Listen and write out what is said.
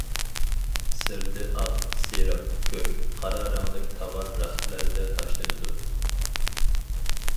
سىرتى ئاق، سېرىق، كۆك، قارا رەڭلىك تاۋار رەختلەردە تاشلىنىدۇ.